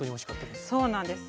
そうなんです。